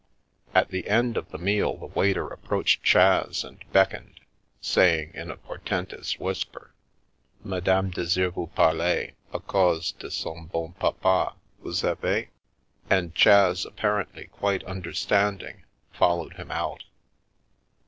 At the end of the meal the waiter approached Chas and beckoned, saying in a portentous whisper: " Madame desire vous parler — a cause de son bon papa, vous savez." And Chas apparently quite under standing, followed him out.